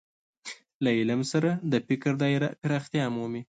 له علم سره د فکر دايره پراختیا مومي.